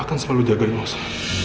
gue akan selalu jaga ino esa